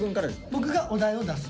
僕がお題を出す。